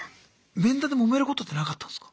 面談でもめることってなかったんすか？